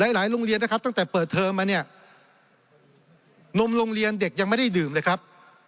หลายโรงเรียนนะครับตั้งแต่เปิดเทอมมาเนี่ยนมโรงเรียนเด็กยังไม่ได้ดื่มเลยครับ